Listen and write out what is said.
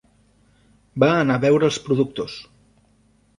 Va anar a veure els productors.